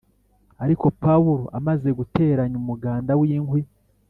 Ariko Pawulo amaze guteranya umuganda w inkwi